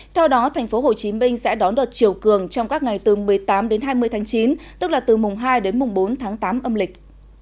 theo đó tp hcm sẽ đón đợt chiều cường trong các ngày từ một mươi tám đến hai mươi tháng chín tức là từ mùng hai đến mùng bốn tháng tám âm lịch